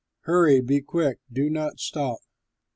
Hurry, be quick, do not stop!"